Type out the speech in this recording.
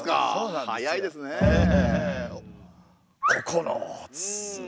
ここのつ。